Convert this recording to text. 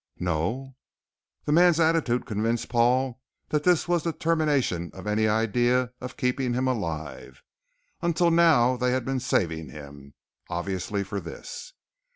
"No?" The man's attitude convinced Paul that this was the termination of any idea of keeping him alive. Up to now they had been saving him. Obviously for this.